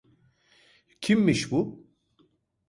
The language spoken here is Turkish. Kimmiş bu?